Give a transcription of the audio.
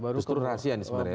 justru rahasia ini sebenarnya